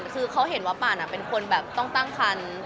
คือเขาเห็นว่าป่านเป็นคนแบบต้องตั้งคัน